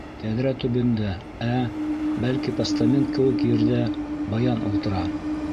Тәҙрә төбөндә, ә, бәлки, постамент кеүек ерҙә, баян ултыра.